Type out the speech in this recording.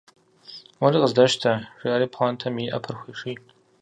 Мори къыздэщтэ, - жеӏэри пхъуантэм и Ӏэпэр хуеший.